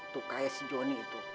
tuh kayak si jonny itu